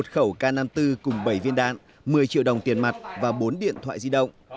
một khẩu k năm mươi bốn cùng bảy viên đạn một mươi triệu đồng tiền mặt và bốn điện thoại di động